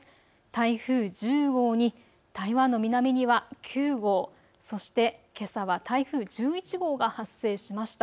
台風１０号に、台湾の南には９号、そしてけさは台風１１号が発生しました。